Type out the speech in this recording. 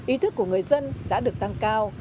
ý thức của người dân đã được tăng cao